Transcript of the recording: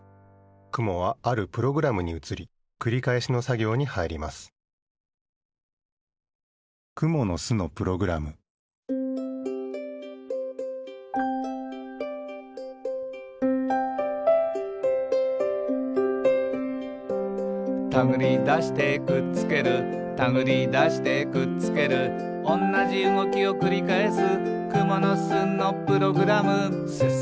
くもはあるプログラムにうつりくりかえしのさぎょうにはいります「たぐりだしてくっつけるたぐりだしてくっつける」「おんなじうごきをくりかえす」